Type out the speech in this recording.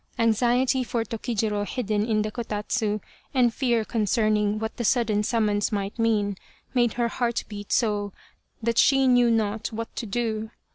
Anxiety for Tokijiro hidden in the kotatsu, and fear concerning what the sudden summons might mean made her heart beat so that she knew not what to do.